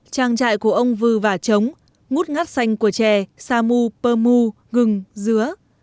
trang trại của ông vư vả chống ngút ngắt xanh của trẻ sa mu pơ mu rừng dứa